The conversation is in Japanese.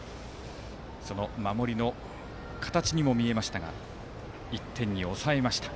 守りの形にも見えましたが１点に抑えました。